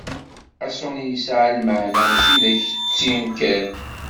Aṣuni yesɛa lmaɛna mačči d aketti kan.